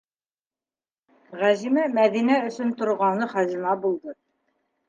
Ғәзимә Мәҙинә өсөн торғаны хазина булды.